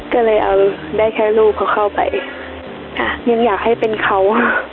ก็เลยเอาได้แค่ลูกเขาเข้าไปค่ะยังอยากให้เป็นเขาอ่ะ